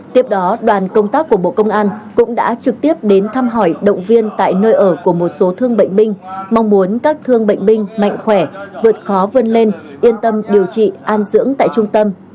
tiếp đó đoàn công tác của bộ công an cũng đã trực tiếp đến thăm hỏi động viên tại nơi ở của một số thương bệnh binh mong muốn các thương bệnh binh mạnh khỏe vượt khó vươn lên yên tâm điều trị an dưỡng tại trung tâm